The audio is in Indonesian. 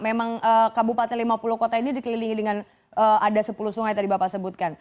memang kabupaten lima puluh kota ini dikelilingi dengan ada sepuluh sungai tadi bapak sebutkan